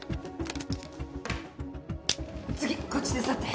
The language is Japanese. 次こっち手伝って。